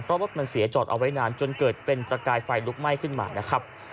เพราะรถมันเสียจอดเอาไว้นานจนเกิดเป็นประกายไฟลุกไหม้ขึ้นมานะครับ